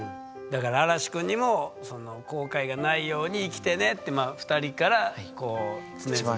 だから嵐士くんにも後悔がないように生きてねってまあ２人からこう常々。